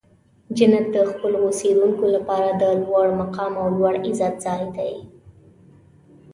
جنت د خپلو اوسیدونکو لپاره د لوړ مقام او لوړ عزت ځای دی.